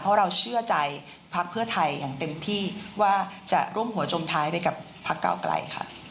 เพราะเราเชื่อใจพักเพื่อไทยอย่างเต็มที่ว่าจะร่วมหัวจมท้ายไปกับพักเก้าไกลค่ะ